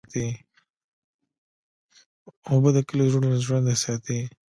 اوبه د کلیو زړونه ژوندی ساتي.